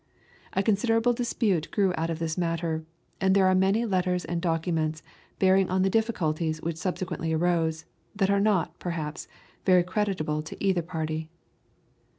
A considerable dispute grew out of this matter, and there are many letters and documents, bearing on the difficulties which subsequently arose, that are not, perhaps, very creditable to either party.